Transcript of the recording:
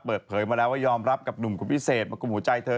เปิดเผยมาแล้วว่ายอมรับกับหนุ่มคนพิเศษมากลุ่มหัวใจเธอ